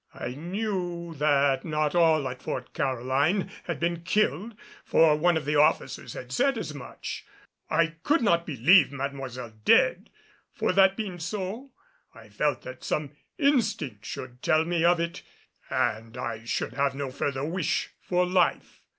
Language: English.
I knew that not all at Fort Caroline had been killed, for one of the officers had said as much. I could not believe Mademoiselle dead, for, that being so, I felt that some instinct should tell me of it and I should have no further wish for life.